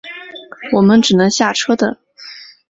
我们只能下车等